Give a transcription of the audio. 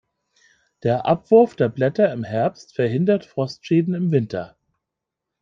Der Abwurf der Blätter im Herbst verhindert Frostschäden im Winter.